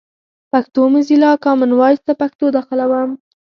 پښتو موزیلا، کامن وایس ته پښتو داخلوم.